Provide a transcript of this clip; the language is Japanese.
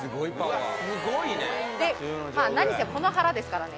まあなにせこの腹ですからね